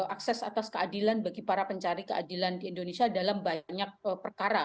akses atas keadilan bagi para pencari keadilan di indonesia dalam banyak perkara